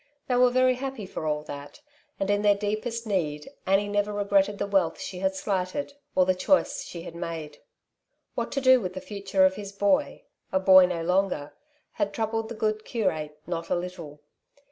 They were very happy for all that, and in their deepest need Annie never regretted the wealth she had slighted, or the choice she had made. What to do with the future of his boy — a boy no longer — ^had troubled the good curate not a little.